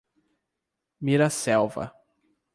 Miraselva